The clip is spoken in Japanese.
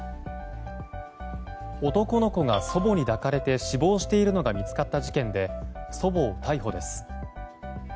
男の子が祖母に抱かれて死亡しているのが見つかった事件で祖母を逮捕です。